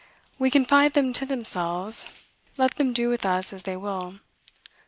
We confide them to themselves; let them do with us as they will.